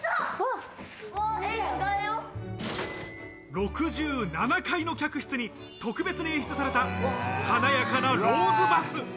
６７階の客室に特別に演出された華やかなローズバス。